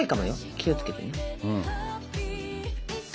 気を付けてね。